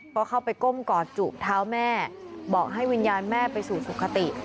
ก็เข้าไปก้มกอดจุเท้าแม่บอกให้วิญญาณแม่ไปสู่สุขติ